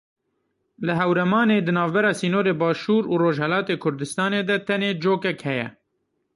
Li Hewremanê di navbera sînorê Başûr û Rojhilatê Kurdistanê de tenê cokek heye.